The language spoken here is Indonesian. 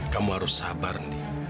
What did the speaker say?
kamu harus sabar ndi